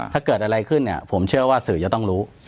ถ้าเกิดอะไรขึ้นเนี่ยผมเชื่อว่าสื่อจะต้องรู้